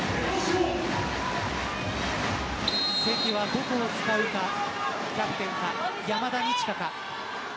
関がどこを使うかキャプテンか山田二千華か。